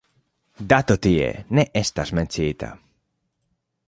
Dato tie ne estas menciita.